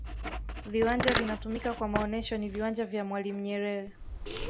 viwanja vinatumika kwa maonesho ni viwanja vya mwalimu nyerere